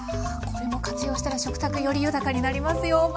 これも活用したら食卓より豊かになりますよ。